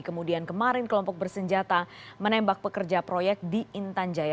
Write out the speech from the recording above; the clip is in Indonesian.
kemudian kemarin kelompok bersenjata menembak pekerja proyek di intan jaya